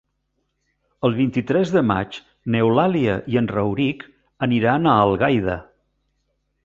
El vint-i-tres de maig n'Eulàlia i en Rauric aniran a Algaida.